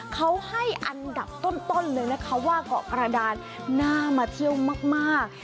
เขาให้อันดับต้นเลยนะคะว่าเกาะกระดานน่ามาเที่ยวมาก